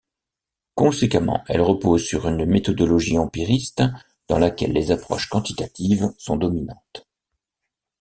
Conséquemment, elle repose sur une méthodologie empiriste dans laquelle les approches quantitatives sont dominantes.